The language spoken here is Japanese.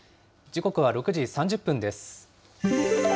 時刻は６時３０分です。